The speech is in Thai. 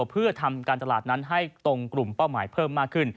เพื่อทำการตลาดนั้นให้ตรงกลุ่มเป้าหมายเพิ่มมากขึ้น